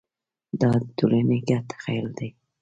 دا د ټولنې ګډ تخیل دی.